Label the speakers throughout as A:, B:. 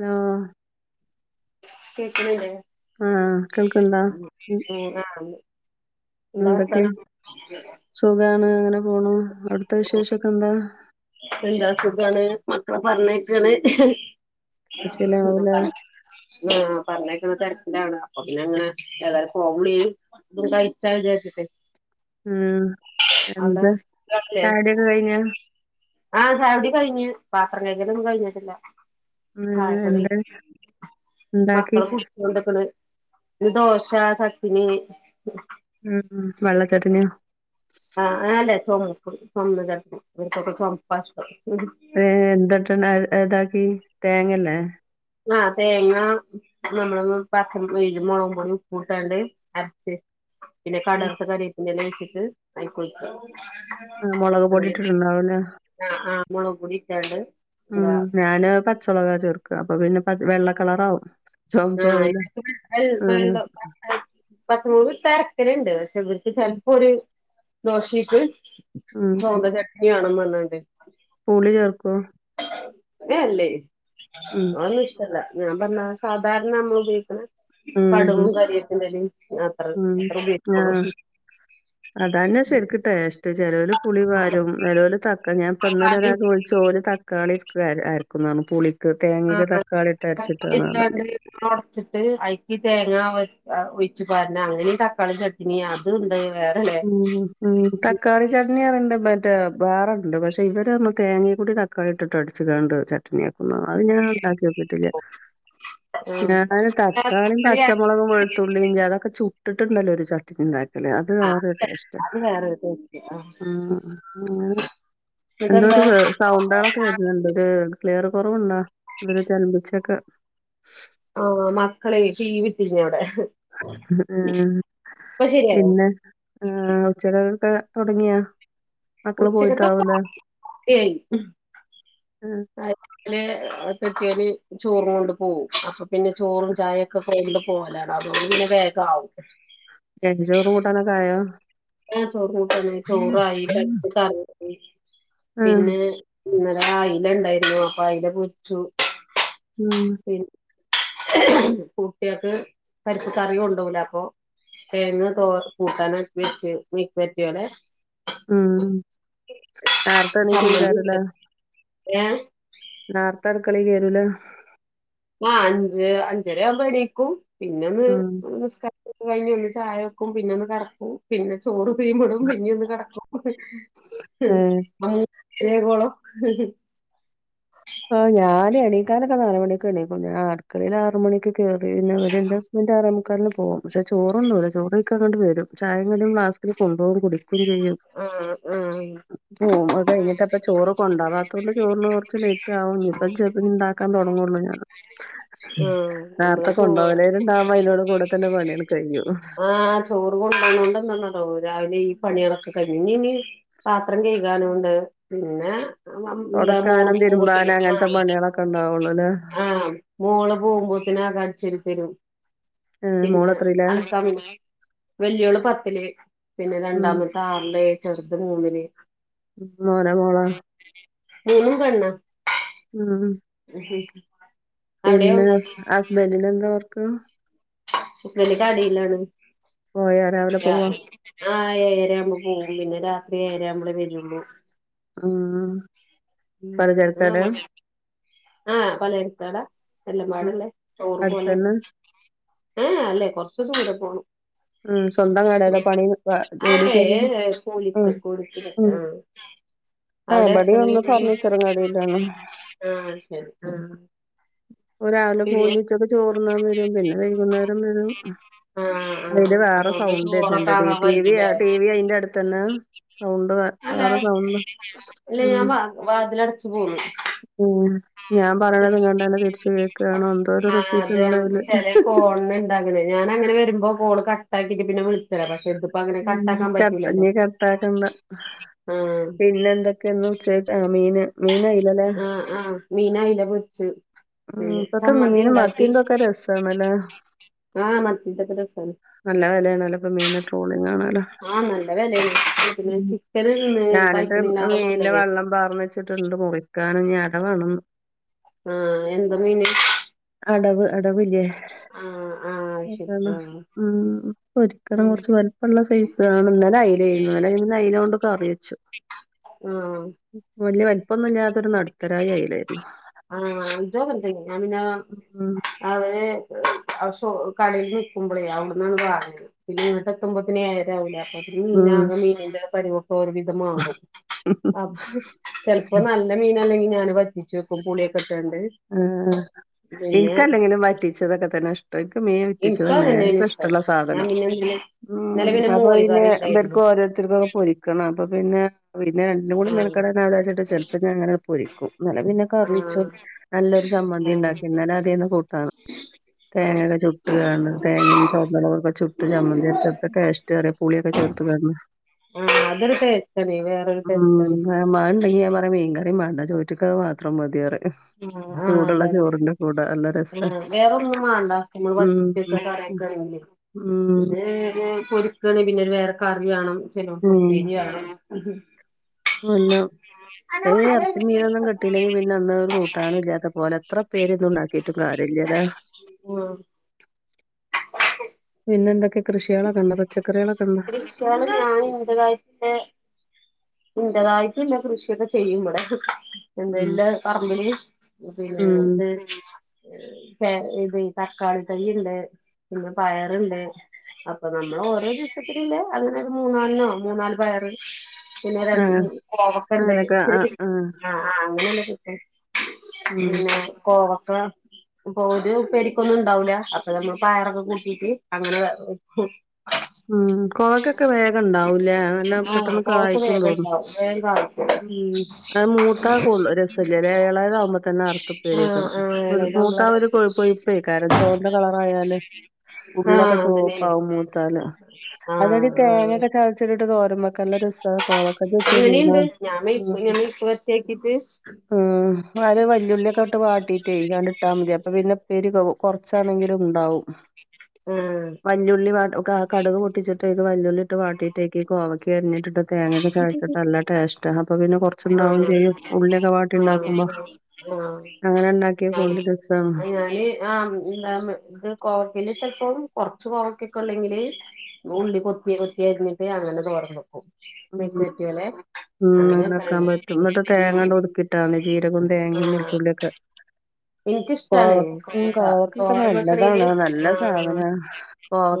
A: ആഹാ
B: കേക്ക്ണില്യാ
A: ആഹ്.. കേൾക്ക്ണ്ടോ?
B: [unintelligible] എന്താ
A: എന്തൊക്കെ?
B: വർത്താനം
A: സുഖാണ് അങ്ങനെ പോണു. അവിടുത്തെ വിശേഷൊക്കെന്താ?
B: എന്താ സുഖാണ്. മക്കളെ പറഞ്ഞേക്കാണ്‌
A: തിരക്കിലാവൂലേ
B: ആഹാ പർഞ്ഞേക്ണ തെര്ക്ക്ലാണ് അപ്പൊ പിന്നങ്ങനെ ഏതാലും ഫോൺ വിളിയും ഇതൊന്നു കയിച്ചാലോജാര്ച്ട്ടെ
A: ആഹ് എന്താ
B: സുഖാണല്ലേ
A: ചായൊടിയൊക്കെ കയിഞ്ഞോ?
B: ആഹ് ചായൊടി കയിഞ്ഞ് പാത്രം കെകലൊന്നും കയിഞ്ഞിട്ടില്ല
A: ഉം
B: ചായപ്പൊടി
A: എന്താ ഉണ്ടാക്കി
B: മക്കള് കു [unintelligible] ണ്ട്ക്കണ് പിന്നെദോശ, ചട്ട്ണി
A: ഉം.. ഉം വെള്ള ചട്ട്ണിയൊ?
B: ആഹ് ആഹന്നെ ചോകന്നപൊടി ചോന്ത ചട്ട്ണി ഇവർക്കൊക്കെ ചോംപ്പാഷ്ടം
A: ഏഹ്.. എന്താട്ട്ണ് അഹ്താക്കി തേങ്ങല്ലേ?
B: ആഹ് തേങ്ങാ, [unintelligible] പിന്നെ
A: ഉം
B: കടർത്ത കരിയേപ്പിന്റെലൊയ്ച്ച്ട്ട് അയികൊയ്ക്ക
A: ആഹ് മുളക് പൊടി
B: [unintelligible]
A: ഇട്ടിട്ടുണ്ടാവൂലേ
B: ആഹ് ആഹ് മുളക് പൊടിട്ടാണ്ട്.
A: ഉം ഞാന് പച്ചെളകാ ചേർക്കാ അപ്പൊ പിന്നെ പ വെള്ളക്കളറാവും
B: ആഹ് [unintelligible] പത്ത് മൂ [unintelligible] അർക്കല്ണ്ട് പക്ഷെ ഇവർക്ക്
A: ഉം
B: ചെൽപ്പൊരു ദോഷയ്ട്ട്
A: ഉം
B: സോന്തചട്നി ആണോ നല്ലത്
A: പുളി ചേർക്കോ
B: ഏ അല്ലേ
A: ഉം
B: അതൊന്നിഷ്ടല്ല ഞാംപർഞ്ഞാ സാധാര്നമ്മളുപയോക്ക്ണ
A: ഉം
B: പട്ങ്ങും ക രോപിന്റെലിം അ
A: ഉം ആഹ് അതാണ് ശരിക്ക് ട്ടേസ്റ്റ് ചെലോല് പുളി പാരും. ചെലോല് തക്ക [unintelligible] ഞാൻ ഇപ്പ ഇന്നല ഒരാൾക്ക് വിള്ച്ചു ഓല് തക്കാളിക്കെ അർ അർക്കുന്നർഞ്ഞു പുളി തേങ്ങേക്ക് തക്കാളിട്ട് അർച്ചിട്ടാ [unintelligible] ഞാ
B: ഉടച്ചിട്ട് അയ്ക്ക് തേങ്ങ ഒഴ് ഒഴ്ച്ച് പാർഞ്ഞ അങ്ങനീം തക്കാളി ചട്ട് പിന്നെ അതുണ്ട് വേറെ
A: ഉം ഉം ഉം തക്കാളി ചട്നിയാറണ്ട് മറ്റേ വേറണ്ട് പക്ഷെ ഇവടെ പർഞ്ഞ തേങ്ങേക്കൂടെ ത കഴ്ട്ട്ട്ട് അട്ച്ച്ങ്ങാണ്ട് ചട്ട്ണിയക്കുംന്ന് അഅ്ഞാണ്ടാക്യോകില്യാ ഞാന് തക്കാളിം
B: അത്
A: പച്ചമൊളകും വെ തുള്ളി [unintelligible] അതൊക്കെ ചുട്ടിട്ടുണ്ടല്ലോ ഒരു ചട്ടിനി ഇണ്ടാക്കൽ അത് വേ കഷ്ടാ
B: വേറെ എന്നിട്ടെന്താ
A: ഉം ഉം [unintelligible] എന്തോ ഒരു കാ സൗണ്ടാളൊക്കെ വെർഞ്ഞ്ണ്ട് ഒര് ക്ലിയർ കുറവുണ്ടോ ചലമ്പിച്ചൊക്കെ
B: ആഹ് മക്കളെ ടീവി ഇട്ടീനി അവ്ടെ
A: ആഹ്.
B: ഇപ്പ ശരിയായോ
A: പിന്നെ ആഹ് ഉച്ചകൊക്കെ തൊട്ങ്ങിയോ? മക്കള്
B: ഉച്ചക്കത്തൊക്കെ
A: പോയിട്ടാവൂലെ
B: ഓക്കെ ആയി
A: ഏ
B: [unintelligible] ചോറും കൊണ്ട് പോകും. അപ്പൊ പിന്നെ ചോറും ചായൊക്കെ കൊണ്ട് പോകലാണ് അതുകൊണ്ട് പിന്നെ വേഗാവും.
A: എഞ്ചോറു കൂട്ടാനൊക്കെയായോ?
B: ആഹ് ചോറും കൂട്ടനായി ചോറായി [unintelligible]
A: ആഹ്.
B: പിന്നെ ഇന്നലെ അയ്ല ഇണ്ടായിരുന്നു അപ്പൊ അയ്ല പൊർച്ചു.
A: ഉം
B: പി കുട്യാക്ക് പരിപ്പ്കറി കൊണ്ടോവ്‌ലപ്പോ തെങ്ങ് തോ കൂട്ടാനൊക്കെ വെച്ച് [unintelligible]
A: ഉം ഉം ആർത്തെ എണീക്കു
B: ചമ്മന്തി
A: ആക്കാരല്ലേ.
B: ഏ
A: നേർത്തെ അടുക്കളികേരൂലെ
B: ആഹ് അഞ്ച് അഞ്ചരാവ്‌മ്പണീക്കും പിന്നന്ന്
A: ഉം.
B: നിസ്കാ കഴിഞ്ഞ് വന്ന് ചായ വെക്കും പിന്നെ ഒന്ന് കട്ക്കും പിന്നെ ചോറു പീപടും പിന്ന്യേന്ന് കടക്കും അ്
A: ഏഹ്.
B: മമ്മു ഏപടോ
A: ഓ ഞാന് എണീക്കാനൊക്കെ നാല് മണീക്ക് എണീക്കും ഞാ അട്ക്കളീല് ആറു മണിക്ക് ക്കേറിയാൽ പിന്നെ എന്റെ ഹസ്ബന്റ് ആറേമുക്കാലിന് പോവും. പക്ഷെ ചോറുന്നൂല്ല ചോറയ്ക്കാങ്ങട്ട് വെരും ചായിം കടീം ബ്ലാസ്കിൽ കൊണ്ടോകും കുടിക്കും ചെയ്യും
B: ആ ആ
A: ഉം അത്‌ കഴിഞ്ഞിട്ടപ്പ ചോറ് കൊണ്ടാവാതോണ്ട് ചോറ്ന് കൊർച്ച് ലൈ [unintelligible] ഇപ്പൊ [unintelligible] ഇണ്ടാക്കാൻ തുടങ്ങുള്ളൂ ഞാന്
B: ആ നമ്മള്
A: നേർത്തെ
B: ചോറ്
A: കൊണ്ടുപോകയലാരുണ്ടാവുമ്പോ അയ്ന്റോട് കൂടെ തന്നെ പണിയാണ്
B: ആഹ് ചോറ് കുട്ടാനോണ്ടന്ന ന്നടവുലാ രാവിലെ ഈ പണ്യേളക്കെ കഴിഞ്ഞു ഞ് ഞ് പാത്രം കഴുകാനുണ്ട് പിന്നെ ഉം എന്താ മൂള് പോകുമ്പോത്തിന് [unintelligible]
A: ക്കെ ഉണ്ടാവുള്ളൂലേ
B: ആഹ് മോള് പോകുമ്പോത്തിനകട്ചേരി തരും.
A: ഏഹ്
B: പിന്നെ
A: മോളെത്രയിലാ
B: അൽക്കാ [unintelligible] വെല്ലിയോള് പത്ത്ല് പിന്നെ
A: ഉം
B: രണ്ടാമത്ത ആർല് ചെർത് മൂന്നില്
A: ഉം മോന മോള
B: ഞങ്ങളും കടന്നൊ
A: ഉമ്
B: ഉ
A: പിന്നെ ഹസ്ബൻഡിന് എന്താവർക്ക്
B: ഉപ്പേന്റെ കടയിലാണ്
A: പോയാ രാവിലെ പോവാ
B: ഞാന് ആഹ് ഏയരരാകുമ്പോ പോകും പിന്നെ രാത്രി ഏരര ആമ്പഴെ വരുള്ളു
A: ഉം പലചരക്ക് കടയാ
B: ആഹ് പലയരക്കട എല്ല
A: ഉം
B: പാടല്ലേ സ്റ്റൊറ് പോലെ
A: അടുത്തന്നെ
B: ആഹ് അല്ലെ കൊറച്ച് ദൂരെ പോണം
A: ഉം സ്വന്തം കടെലെ പണി നിക്വ ജോലി
B: അല്ലേ
A: കയറിനി
B: കൂലിക്ക്
A: ഉം
B: കൂലിക്ക്
A: ഉം
B: ആഹ്
A: ആഹ്
B: അവിടെ
A: ഇവിടെയും ഒന്ന്
B: ഹസ്ബന്റിന്
A: ഫർണിച്ചറും കടയിലന്ന്
B: ആഹ് ശരി ആഹ്
A: ഒരാവിലെ പോയി
B: പിന്നെ
A: ഇനി ഉച്ചക്ക് ചോർന്നാൻ വരും പിന്നെ വൈകുന്നേരം വരും
B: ആഹ്
A: അതില്
B: ആഹ്
A: വേറെ
B: അതോണ്ട്
A: സൗണ്ട്
B: ചോറൊക്കെ
A: [unintelligible] ഡി
B: ആകാൻ
A: ടി വി
B: വൈകൂലേ
A: ടി വി അയിന്റെ അടുത്ത്ന്നെ സൗണ്ട് വ വേറെ സൗണ്ട് ഉം
B: വാതില അടച്ചു പോുന്നു
A: ഉം ഞാൻ പറയണത് കണ്ടന്നെ തിരിച്ചു കേൾക്കുകയണോ എന്തോ ഒരു റിപ്പീറ്റ് ഉണ്ടായല്
B: ഇതാകണെ ഞാന അങ്ങനെ വരുമ്പോ കോള് കട്ടാക്കിയിട്ട് പിന്നെ വിളി [unintelligible]
A: ഉ കപ്പഞ്ഞ കപ്പാക്കണ്ട
B: ആഹ്
A: പിന്നെ എന്തൊ ക്കെ ഉച്ചക്ക ആ മീന് മീനയില്ലല്ല
B: ആഹ് ആഹ് മീൻ അയലപൊര്ച്ചു
A: ഉം
B: പിന്ന
A: ഇപ്പത്തെ
B: ചമ്മന്തി
A: മീന്
B: ഉണ്ടാക്കി
A: മത്തിന്റെ ഒക്കെ രസാണല്ലേ
B: ആഹ് [unintelligible]
A: നല്ല വിലയാണല്ലോപ്പ മീന ട്രോളിങ് ആണലൊ
B: ആഹ് നല്ല വെലേണ് പിന്നെ ചിക്കന് തിന്ന്
A: ഞാനെന്റെ
B: കഴിക്ക്ണില്ലാറെ
A: മീൻലെ
B: നല്ലത്
A: വെള്ളം പാർന്നവെച്ച് വിട്ടണ്ട് മുറിക്കാനും ഞ ഇടവാേണന്ന്
B: ആഹ് എന്താ മീന്
A: അടവ് അടവില്ലേ
B: ആഹ് ആഹ് ശരി ആഹ്
A: ആഹ് ഒരിക്കണം കുറച്ച് വലുപള്ള സൈസ ആണ് ഇന്നലെ അയിലെ എനി ഇന്നലെ അയ്‌ലോ ണ്ട് കറി വെച്ചു
B: ആഹ്
A: വലിയ വലിപ്പൊന്നുമ ഇല്ലാത്തൊരു നടുത്തരായി അയിലായിരുന്നു
B: ആഹ് ഇതോന്തങ്ങ ഞാ പിന്നെ
A: ഉം
B: അവര് കടയിൽ നിൽക്കുമ്പളേ അവിടെന്നാണ് പറയത് പിന്ന ഇങ്ങോട്ട് എത്തുമ്പോത്തന്നേ ആഴരാവൂലെ അപ്പം
A: ഉം
B: മീനാകെ മീനിന്റെ പരിവൊക്ക ഒരു വിധമാറും അ ചെലപ്പോ നല്ല മീനല്ലെങ്കിൽ ഞാന് വറ്റിച്ചു വെക്കും പുളിയൊക്കെ ഇട്ടണ്ട്
A: ആ് എനിക്കല്ലെങ്കിലും പറ്റിച്ച ഇതൊക്കെ തന്നെ ഇഷ് ഇറ്റയ്ക്ക് മീൻ
B: ഇൻക്കും
A: വിറ്റിച്ചതാണ്
B: അതന്നെയാണ്
A: നേക
B: ഇഷ്ടം
A: ഇഷ്ടമുള്ള
B: ഞാൻ
A: സാധനം
B: പിന്നെ ഇന്നലെ ഇന്നലെ
A: ഉം അപ്പൊ
B: മോര്
A: പിന്നെ
B: കറി ഉണ്ടായിരുന്നു
A: എന്തേർക്കും ഓരോരുത്തർക്കും ഒക്കെ പൊരിക്കണം അപ്പൊ പിന്നെ പിന്നെ രണ്ടും കൂടി
B: ആഹ്
A: മെൻക്കെടാൻ ആവുലാച്ചിട്ട് ചെലപ്പോ ഞാൻ അങ്ങനെ ആണ്ട് പൊരിക്കും ഇന്നലെ പിന്നെ കറി ച്ചും
B: ആഹ്
A: നല്ലൊരു ചമ്മന്തി
B: ആഹ്
A: ഉണ്ടാക്കിൻ ഞാൻ അതിന്ന് കൂട്ടാണ്
B: ആഹ്
A: തേങ്ങൊക്കെ ചുട്ട് കാണ തേങ്ങയും ചുവന്നളകൊക്കെ ചുട്ട് ചമ്മന്തിരിച്ചക്ക കാശ് ചെറിയ പുളിയൊക്കെ ചേർത്തതായിരുന്നു.
B: ആഹ് അതൊരു ടേസ്റ്റ് ആണ് വെറൊരു ടേസ്റ്റ് ആണ്
A: ആ മാനുണ്ടെങ്കിൽ ഞാൻ പറയാ മീൻകറി മേണ്ട ചോറ്റിക്കത് മാത്രം മതിപറയും
B: ഉംആഹ് അതനെ
A: രസാ
B: ആ വേറൊന്നും വേണ്ട നമ്മൾ
A: ഉം
B: വറ്റിച്ച് വെച്ച കറയ്ക്കളിലെ
A: ഉം
B: ഇത് പിന്നെ പൊരി ണ പിന്നെ ഒരു വേറെക്കറി വേണം ചെലോടു തുപ്പേരി വേണം
A: ല്ല ഇറച്ചി മീനൊന്നും കിട്ടില്ലെങ്കി പിന്നെ അന്ന്. കൂട്ടാനും ഇല്ലാത്ത പോലെ എത്ര പേര്ന്നും ഉണ്ടാക്കിട്ടും കാര്യല്ല
B: ഉം
A: പിന്നെ എന്തൊക്കെ കൃഷികളൊ കെണ്ട പച്ചക്കറികളൊക്കെ ഉണ്ടോ
B: [unintelligible] ഇൻ്റതായിട്ടുംല്ല കൃഷിയൊക്കെ ചെയ്യുംപടെ
A: ഉം
B: എന്താല്ല പറമ്പില് പിന്നെ
A: ഉം
B: ഇത് ഇത് തക്കാളി തൈ ഉണ്ട് പിന്നെ പയറുണ്ട് അപ്പൊ നമ്മള് ഓരോ ദിവസത്തില്ലേ അങ്ങനെ ഒരു മൂന്നാാലന്നോ മൂന്നാല് പയറ് പിന്നെ
A: ആഹ്
B: രണ്ട് കൊറക്കുണ്ട്
A: അങ്ങനൊക്കെ ആഹ് ആഹ്
B: ആ ആഹ അങ്ങനെയല്ല കിട്ടി
A: ഉം
B: പിന്നൊ കോവക്ക അപ്പൊ ഒരു ഉ പരിക്കൊന്നും ഉണ്ടാവില്ല. അപ്പൊ നമ്മൾ പയറൊക്കെ കൂട്ടീട്ട് അങ്ങനെ
A: ഉം കൊവക്കൊക്കെ വേഗം ഇണ്ടാവൂലേ നല്ലാം
B: ആഹ്
A: പെട്ടെന്ന്
B: കോവക്ക
A: കായക്കും
B: വേഗം
A: തോണ്.
B: ഉണ്ടാവും വേഗം
A: ഉം
B: കായ്ക്കും
A: അത് മൂത്താ കൂള്ളൂ രസമളായത് ആകുമ്പോ തന്നെ അറ്ത്ത്
B: ആഹ്
A: പേരിക്കണം
B: ആഹ്
A: ഒരു
B: എളേതാവുമ്പളാ
A: [unintelligible] ഒരു
B: രസം
A: കൊഴപ്പം ഇപ്പേ കാരണം ചുവന കളറായാല് ഉള്ളൊക്കെ
B: ആഹ് അതന്നെയാണ്
A: ചുവപ്പാവും മൂത്താല് അതടി
B: ആഹ് ആഹ്
A: തേങ്ങൊക്കെ ചതച്ചിട്ടട്ട് തോരൻ വക്ക. നല്ല രസ കോവക്ക ഇജ് വെച്ചോകീ രുന.
B: അങ്ങനെയുണ്ട് ഞാൻ മെഴുക്ക് ഞാൻ മെഴുക്ക് വരട്ടിയാക്കിട്ട്
A: ഉം ഒര് വല്ലുളിയൊക്കെ ഇട്ട് വാട്ടീട്ട് ആണ്ട് ട്ടാ മതി അപ്പൊ പിന്നെ ഇപോരി കൊ കുറച്ചാണെങ്കിലും ഉണ്ടാവും.
B: ആഹ്
A: വല്ലുള്ളി ആഹ് കടക് പൊട്ടിച്ചിട്ടേക്ക് വല്ലുള്ളി ഇട്ട് വാട്ടിട്ടേക്ക് കോവയ്ക്ക് അരഞ്ഞിട്ടിട്ട് തേങ്ങൊക്കെ ചഴച്ചിട്ടല്ല ടേസ്റ്റ് അപ്പൊ പിന്നെ കൊറച്ചുണ്ടാവും
B: ആഹ്
A: ചെയ്യും ഉള്ളിയൊക്കെ വാട്ടി
B: ആഹ്
A: ഉണ്ടാക്കുമ്പോ
B: ആഹ്
A: അങ്ങനെ ഉണ്ടാക്കിയ
B: ഞാന്
A: കൊണ്ട് രസാ
B: ഞാന് ആഹ് ഇത് കോവക്കൽ ചിലപ്പോം കൊറച്ച് കോവക്കൊക്കെ ഉല്ലെങ്കില് ഉള്ളി കൊത്തി കൊത്തി കഴരിഞ്ഞിട്ട് അങ്ങനെ തോർന്ന്ക്കും
A: ഉം
B: മെക്കറ്റിയ പോലെ
A: ഉം അങ്ങനെൊക്കാൻ
B: അങ്ങനെയൊക്കെയാണ്
A: പറ്റും എന്നിട്ട് തേങ്ങ കൊണ്ട് ഒടുക്കിട്ടാാണ് ജീരകവും തേങ്ങയും
B: ആഹ്
A: വളുത്തുള്ളിയൊക്കെ [inaudible]
B: എനിക്കിഷ്ടാണ്
A: കോവ ഉ
B: ഒക്കെ
A: കോവക്കൊക്കെ
B: തോരംവെക്കണേല്
A: നല്ലതാണ് നല്ല
B: ആഹ്
A: സാധന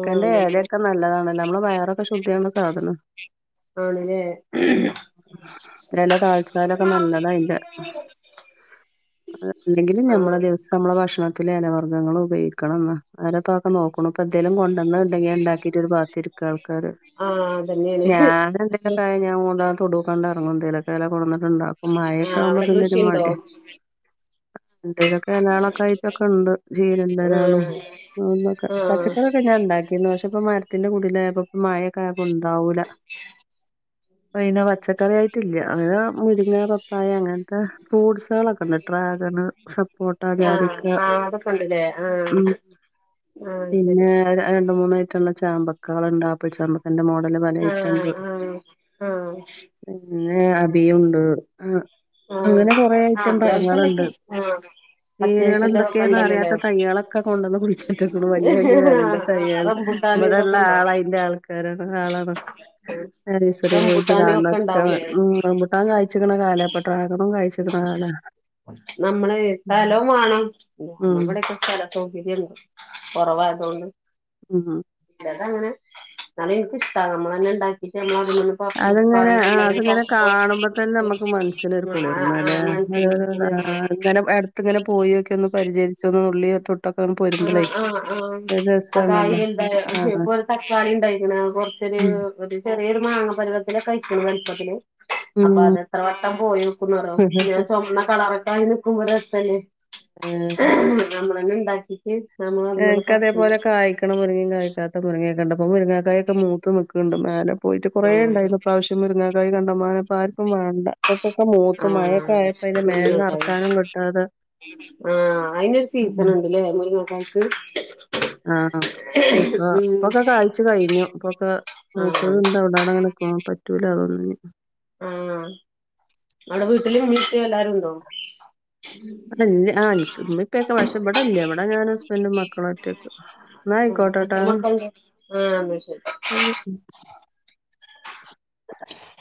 B: ആഹ്
A: ഏലയൊക്കെ നല്ലതണല്ലോ നമ്മള് വയറൊക്കെ ശുദ്ധിയാണ് സാധനം
B: ആണല്ലേ
A: ഇല്ല തളിചാലൊക്കെ നല്ലതാ അതിന്റെ അല്ലെങ്കിൽ ഞമ്മളെ
B: ആഹ്
A: ദിവസം നമ്മളെ ഭക്ഷണത്തിലെ എലവർഗ്ഗങ്ങൾ ഉപയോഗിക്കണം നോക്കണം ഇപ്പൊ എന്തേലും കൊണ്ടന്ന ഉണ്ടെങ്കി ഉണ്ടാക്കിട്ടും ഒരു ബാത്തിരിക്കുക ആൾക്കാര്
B: ആഹ് അതന്നെയാണ്
A: ഞാൻ എന്തേലൊക്കായ ഞാൻ മൂന്നാ തൊടുക്കണ്ടറങ്ങോ എന്തേലൊക്കെല്ലാം കൊണ്ടന്നിട്ടുണ്ടാക്കും ഇപ്പം മായൊക്കെ
B: ആഹ്
A: ആവുമ്പോ
B: അവിടെ
A: പിന്നെരു
B: കൃഷിയുണ്ടോ
A: മാണ്ടെ എന്തേലൊക്കെ അലളൊക്കെ ആയിട്ടൊക്കെ ഉണ്ട് ജീരന്റലളും.
B: ആഹ്
A: ന്നൊക്കെ
B: ആഹ്
A: പച്ചക്കറി പിന്നെ ഉണ്ടാക്കിന്ന് പക്ഷെ ഇപ്പ മരത്തിന്റെ കൂടില് പ്പ മഴൊക്കെ ഉണ്ടാവൂല്ല.
B: [inaudible]
A: പിന്നെ പച്ചക്കറി ആയിട്ടില്ല അങ്ങനെ മുരിങ്ങ പപ്പായ അങ്ങനെ ഫൂട്സാളൊക്കെ ഉണ്ട് ഡ്രാഗൺ സപ്പോട്ട ജാതിക്ക
B: അല്ലെ ആഹ
A: ഉം
B: ആഹ ശരി
A: പിന്നെ രണ്ട് മൂന്നായിറ്റം ഉള്ള ചാമ്പക്കാള്ണ്ട് ആപിൾ ചാമ്പക്കന്റെ മോഡല് പല ഐറ്റം ഉണ്ട്
B: ഉം ആഹ
A: പിന്നെ അഭിയുണ്ട് ആ
B: ആഹ്
A: അങ്ങനെ കൊറേ ഐറ്റം പയങ്ങളുണ്ട്
B: അത്യാവശ്യള്ളൊക്കെ ആഹ്
A: വേരുകൾ
B: അത്യാവശ്യള്ളതൊക്കെ
A: എന്തൊക്കെയന്ന്
B: ഉണ്ടല്ലോല്ലേ
A: അറിയാത്ത
B: ആഹ്
A: തയ്യാളൊക്കെ കൊണ്ടുവന്ന് കുയിച്ചിട്ടിക്കുണു വല്യ വല്യ വെലെന്റെ തയ്യാള്
B: റംബുട്ടാന്
A: ഇവിടെ ഇള്ള
B: ഇതൊക്കെ ഉണ്ടോ
A: ആള അയിന്റെ ആൾക്കാരാണ് ആ ആളാണ് നഴ്സറി പോയി
B: റംബൂട്ടാനും ഒക്കെ ഉണ്ടാവൂലേ
A: [unintelligible] റംബൂട്ടാൻ കാഴ്ച്ക്കണ് കാലപ്പട്ടകണ് കഴിച്
B: നമ്മളെയി
A: ഉം
B: സ്ഥലുംവാണം
A: ഉം
B: [unintelligible] ടെക്കെ സ്ഥ സൗകര്യണ്ട് കൊറവായ്തോണ്ട്-
A: ഉംഹ്
B: ചെലതങ്ങനെ ന്നാലും എനിക്കഷാട നമ്മളന്നേ
A: അതങ്ങനെ ആ അതങ്ങനെ കാണുമ്പോ തന്നെ നമുക്ക്
B: ണ്ട [inaudible]
A: മനസ്സിനൊരു
B: [inaudible]
A: അടുത്തങ്ങനെ പോയൊക്കി ന്ന് പരിചയിച്ചത് ഉള്ളി
B: ആ ആഹ് ആഹ് ആഹ്
A: രസാണല്ലോ.
B: കയ്യും [unintelligible]
A: ആഹ്.
B: ഇപ്പൊ ഒരു തക്കാളി ണ്ടായിക്ക്ണ് കൊറച്ചൊരു
A: ഉം.
B: ഒരു ചെറിയൊരു മാങ്ങ പരിവത്തിലൊക്കെ അയ്ക്ക്ണ് വലുപ്പത്തില് അപ്പൊ
A: ഉം.
B: അത് ത്ര വട്ടം പോയൊക്കും ചുവന്ന കളറൊക്കെ ആയി നിക്കുമ്പോള് രസല്ലേ.
A: ആഹ്
B: ഞമ്മളെന്നെ ണ്ടാക്കീട്ട്
A: എൻക്കതെ പോലെ ക്കെ കായ്ക്ക് മുരിങ്ങി കായ്ക്കാത്ത മുരിങ്ങക്കണ്ടപ്പോ മുരങ്ങക്കായൊക്കെ മൂത്ത് നിക്ക്ണ്ട് മേലെ പോയിട്ട്
B: ആഹ്
A: കൊറേയിണ്ടാരുന്ന് ഇപ്രാവിശ്യം. മുരിങ്ങക്കായി കണ്ടമാനം പ്പാർക്കും വേണ്ട. [unintelligible]
B: ആഹ്
A: മഴൊക്കെയപ്പോ അയ്ൻ
B: മുരിങ്ങക്കായി
A: മേലെടക്കാനും പറ്റൂല.
B: ആഹ് അയിന് ര് സീസൺ ണ്ട് ലെ [unintelligible] നോക്കാനയിട്ട്.
A: ആഹ് ഇപ്പൊ പ്പോ ക്കെ കായ്ച്ചു.
B: ആഹ്
A: പറ്റൂല [unintelligible]
B: ആഹ് ങ്ങളെ വീട്ടില് ഉമ്മീം പ്പിയ് എല്ലരുണ്ടോ?
A: [unintelligible] ആ ഇന്ക് ഉമ്മി പ്പ ക്കെ വഷ ഇവിട്ല്ല്യാ എവിടാ ഞാനും ഹസ്ബൻറും മക്കളും ഒറ്റയ്ക്കു. ന്നാ
B: ആഹ്
A: ആയിക്കോട്ടട്ടാ?
B: എത്ര മക്കളുണ്ട് ആഹ് ന്ന ശരി.
A: [unintelligible]